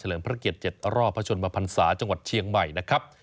พระเกียรติ๗รอบพระชนมพันศาจังหวัดเชียงใหม่นะครับ